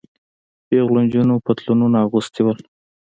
پيغلو نجونو پتلونونه اغوستي وو.